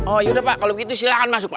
oh ya udah pak kalau begitu silahkan masuk pak